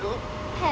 はい。